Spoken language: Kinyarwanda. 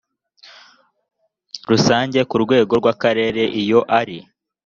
rusange ku rwego rw akarere iyo ari